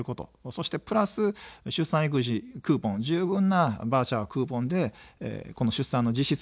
そしてプラス出産育児クーポン、十分なバウチャー、クーポンでこの出産の実質無償化を図る。